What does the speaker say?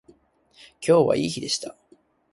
今日はいい日でした